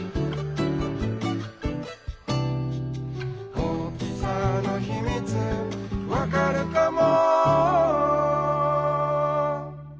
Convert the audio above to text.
「おおきさのひみつわかるかも？」